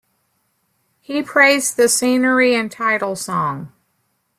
He praised the scenery and title song.